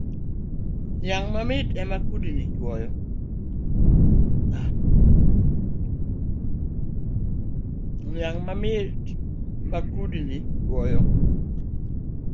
Niang mamit ema kudni chuoyo